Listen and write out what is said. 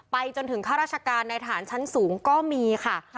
จนถึงข้าราชการในฐานชั้นสูงก็มีค่ะ